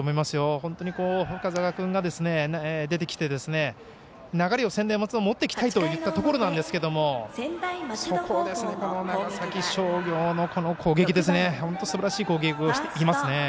本当に、深沢君が出てきて流れを専大松戸持っていきたいといったところなんですけれどもそこを長崎商業は本当、すばらしい攻撃をしていますね。